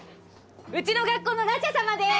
うちの学校のラチャ様です。